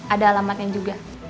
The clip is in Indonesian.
ada alamatnya juga